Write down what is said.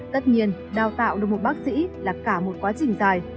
tất nhiên đào tạo được một bác sĩ là cả một quá trình dài